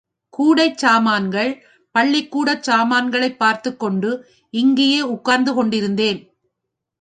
கூடைச் சாமான்கள், பள்ளிக்கூடச் சாமான்களைப் பார்த்துக் கொண்டு இங்கேயே உட்கார்ந்து கொண்டிருந்தேன்.